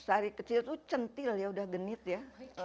setari kecil itu centil ya udah genit ya